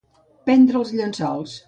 Prendre els llençols.